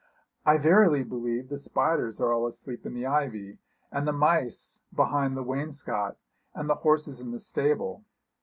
I verily believe the spiders are all asleep in the ivy, and the mice behind the wainscot, and the horses in the stable.'